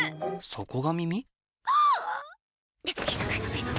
そこが耳？